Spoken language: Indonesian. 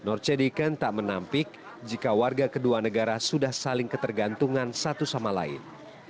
norcedeacon tak menampik jika warga kedua negara sudah saling ketergantungan satu sama lain